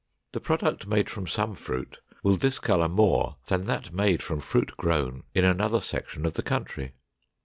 The product made from some fruit will discolor more than that made from fruit grown in another section of the country.